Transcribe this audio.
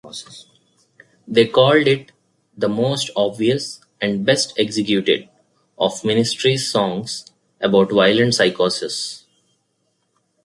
They called it "the most obvious and best-executed" of Ministry's songs about violent psychosis.